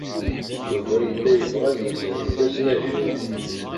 Yuba yella yebɣa ad yezrew tasnajya.